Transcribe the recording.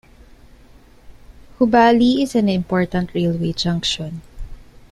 Hubballi is an important railway junction.